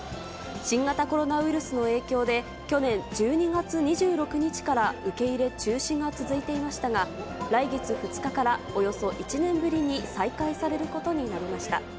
新型コロナウイルスの影響で、去年１２月２６日から受け入れ中止が続いていましたが、来月２日から、およそ１年ぶりに再開されることになりました。